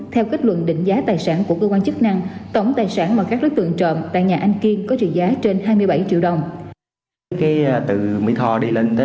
theo kết luận định giá tài sản của cơ quan chức năng tổng tài sản mà các đối tượng trộm tại nhà anh kiên có trị giá trên hai mươi bảy triệu đồng